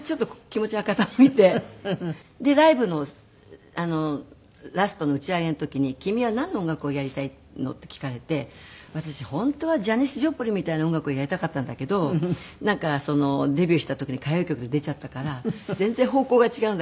でライブのラストの打ち上げの時に「君はなんの音楽をやりたいの？」って聞かれて私本当はジャニス・ジョプリンみたいな音楽をやりたかったんだけどなんかデビューした時に歌謡曲で出ちゃったから全然方向が違うんだけども。